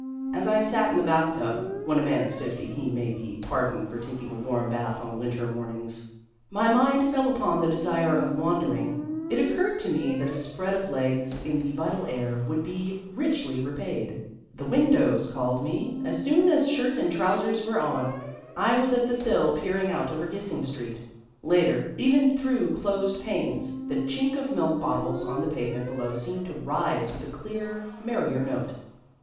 As I sat in the bathtub (when a man is fifty he may be pardoned for taking a warm bath on winter mornings) my mind fell upon the desire of wandering: it occurred to me that a spread of legs in the vital air would be richly repaid. The windows called me: as soon as shirt and trousers were on, I was at the sill peering out over Gissing Street. Later, even through closed panes, the chink of milk bottles on the pavement below seemed to rise with a clearer, merrier note.